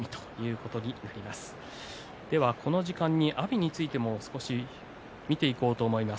この時間、阿炎について少し見ていこうと思います。